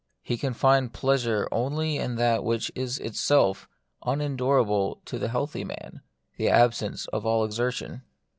He can find pleasure only in that which is itself unendurable to the healthy man, the absence of all exertion.